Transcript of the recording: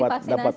vaksinasi ya pak